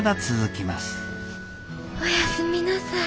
おやすみなさい。